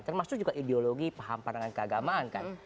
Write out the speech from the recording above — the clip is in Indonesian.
termasuk juga ideologi paham pandangan keagamaan kan